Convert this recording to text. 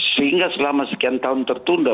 sehingga selama sekian tahun tertunda